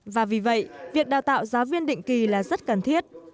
và vì vậy việc đào tạo giáo viên định kỳ là rất cần thiết